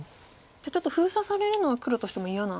じゃあちょっと封鎖されるのは黒としても嫌な。